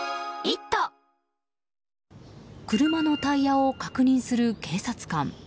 車のタイヤを確認する警察官。